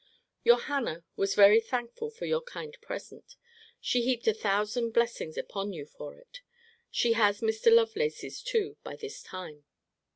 Your Hannah was very thankful for your kind present. She heaped a thousand blessings upon you for it. She has Mr. Lovelace's too by this time.